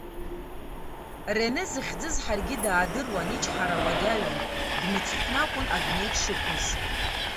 Рене захьӡыз ҳаргьы даадыруан, ичҳара уадаҩын, дымцхәны акәын адунеи дшықәыз.